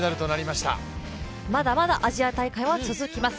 まだまだアジア大会は続きます